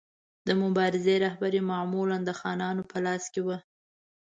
د مبارزې رهبري معمولا د خانانو په لاس کې وه.